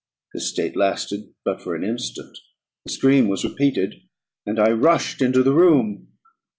This state lasted but for an instant; the scream was repeated, and I rushed into the room.